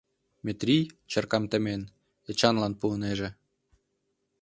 Метрий, чаркам темен, Эчанлан пуынеже.